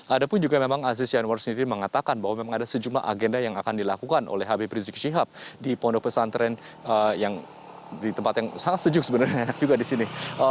ada pun juga memang aziz yanwar sendiri mengatakan bahwa memang ada sejumlah agenda yang akan dilakukan oleh habib rizik syihab di pondok pesantren yang di tempat yang sangat sejuk sebenarnya enak juga di sini